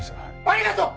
ありがとう！